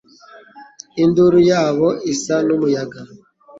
induru yabo isa n'umuyaga